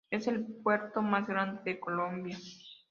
Es el puerto más grande de Colombia.